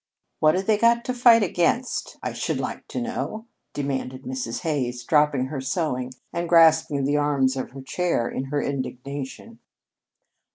"What have they got to fight against, I should like to know?" demanded Mrs. Hays, dropping her sewing and grasping the arms of her chair in her indignation.